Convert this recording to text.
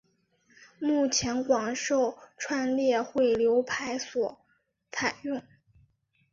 目前广受串列汇流排所采用。